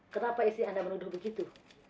kenapa istri anda menuduh begitu